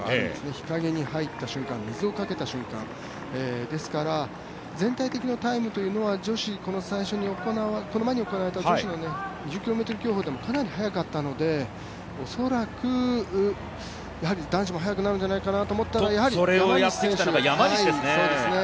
日影に入った瞬間水をかけた瞬間ですから、全体的なタイムというのは、この間に行われた女子の２０ｋｍ競歩でもかなり早かったので恐らく男子も早くなるんじゃないかと思うんですがそれをやってきたのが山西ですね。